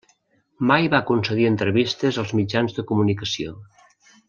Mai va concedir entrevistes als mitjans de comunicació.